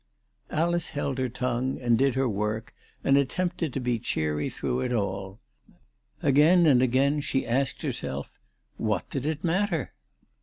Alice held her tongue, and did her work and attempted to be cheery through it all. Again and again she asked herself, what did it matter